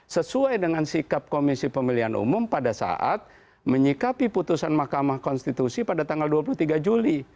sesuai dengan sikap komisi pemilihan umum pada saat menyikapi putusan mahkamah konstitusi pada tanggal dua puluh tiga juli